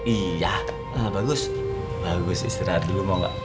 iya bagus istirahat dulu mau gak